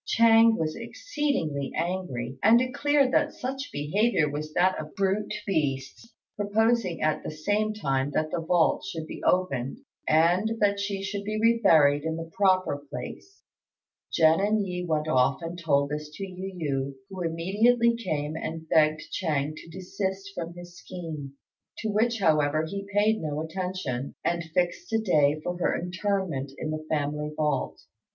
Ch'êng was exceedingly angry, and declared that such behaviour was that of brute beasts, proposing at the same time that the vault should be opened and that she should be re buried in the proper place. Jen and Yi went off and told this to Yu yü, who immediately came and begged Ch'êng to desist from his scheme; to which, however, he paid no attention, and fixed a day for her interment in the family vault.